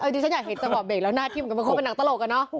จริงฉันอยากเห็นต่อเบกแล้วหน้าที่มันคงเป็นหนังตลกอะเนาะ